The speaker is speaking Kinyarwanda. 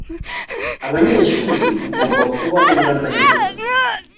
abanyeshuri ugomba kuba ungana yose